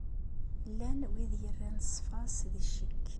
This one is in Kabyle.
Llan wid yerran ṣṣfa-s di ccekk.